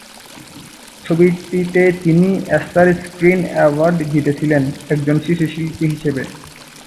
ছবিটিতে তিনি star screen award জিতেছিলেন, একজন শিশু শিল্পী হিসাবে।